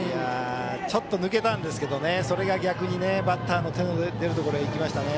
ちょっと抜けたんですけどそれが逆にバッターの手の出るところに行きましたね。